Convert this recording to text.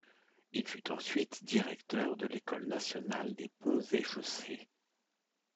Il fut ensuite directeur de l’École nationale des ponts et chaussées.